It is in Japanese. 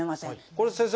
これ先生